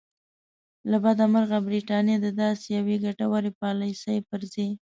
له بده مرغه برټانیې د داسې یوې ګټورې پالیسۍ پر ځای.